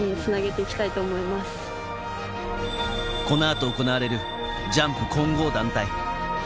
この後、行われるジャンプ混合団体。